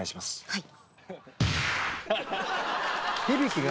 はい。